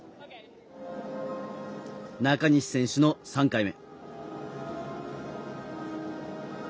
中西選手の３回目。